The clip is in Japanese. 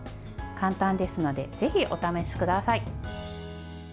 簡単ですのでぜひお試しください。